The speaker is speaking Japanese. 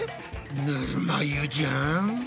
ぬるま湯じゃん。